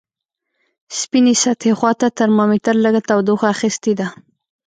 سپینې سطحې خواته ترمامتر لږه تودوخه اخستې ده.